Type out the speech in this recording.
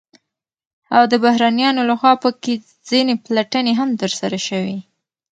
او د بهرنيانو لخوا په كې ځنې پلټنې هم ترسره شوې،